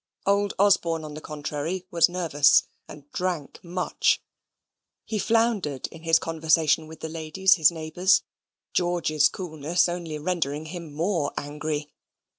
Old Osborne, on the contrary, was nervous, and drank much. He floundered in his conversation with the ladies, his neighbours: George's coolness only rendering him more angry.